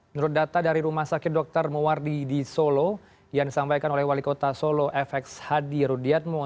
menurut data dari rumah sakit dr mowardi di solo yang disampaikan oleh wali kota solo fx hadi rudiatmo